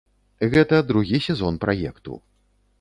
Гэта другі сезон праекту.